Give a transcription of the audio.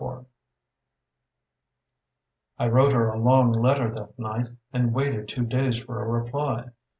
'" IV "I wrote her a long letter that night, and waited two days for a reply.